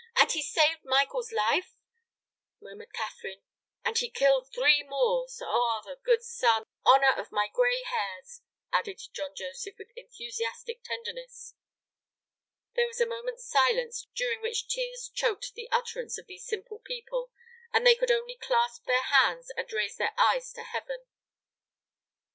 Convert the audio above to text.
And he saved Michael's life!" murmured Catherine. "And he killed three Moors! Ah, good son, honor of my gray hairs!" added John Joseph, with enthusiastic tenderness. There was a moment's silence during which tears choked the utterance of these simple people, and they could only clasp their hands and raise their eyes to heaven.